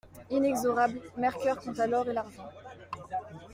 Inexorable, Mercœur compta l'or et l'argent.